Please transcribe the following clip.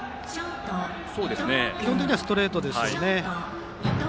基本的にはストレートでしょうね。